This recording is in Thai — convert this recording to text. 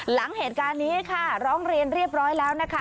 หลังเหตุการณ์นี้ค่ะร้องเรียนเรียบร้อยแล้วนะคะ